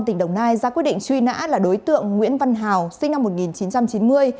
tỉnh đồng nai ra quyết định truy nã là đối tượng nguyễn văn hào sinh năm một nghìn chín trăm chín mươi